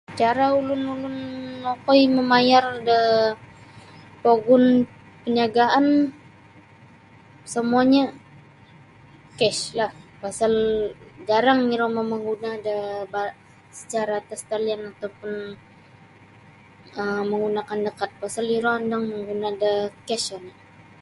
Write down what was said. Cara ulun-ulun okoi mamayar da pogun peniagaan semuanya cash lah pasal jarang iro mamaguna da ba secara atas talian atau pun um menggunakan da kat pasal iro ondong mangguna da cash oni.